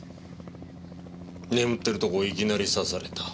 眠ってるところをいきなり刺された。